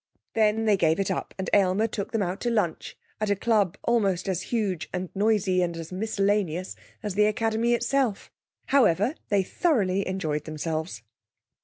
Then they gave it up, and Aylmer took them out to lunch at a club almost as huge and noisy and as miscellaneous as the Academy itself. However, they thoroughly enjoyed themselves.